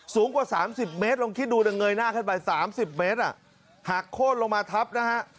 สูงกว่าสามสิบเมตรลงคิดดูนะเงยหน้าขึ้นไปสามสิบเมตรอ่ะหากโคตรลงมาทับนะฮะ